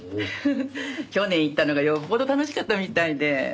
去年行ったのがよっぽど楽しかったみたいで。